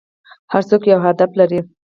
هر څوک یو هدف لري .